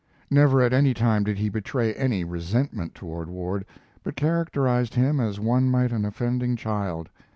Never at any time did he betray any resentment toward Ward, but characterized him as one might an offending child.